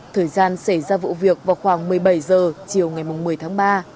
thời gian xảy ra vụ việc vào khoảng một mươi bảy h chiều ngày một mươi tháng ba